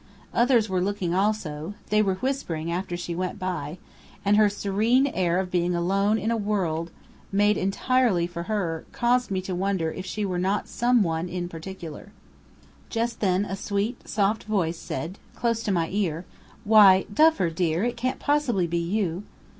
Others were looking: also they were whispering after she went by: and her serene air of being alone in a world made entirely for her caused me to wonder if she were not Some One in Particular. Just then a sweet, soft voice said, close to my ear: "Why, Duffer, dear, it can't possibly be you!"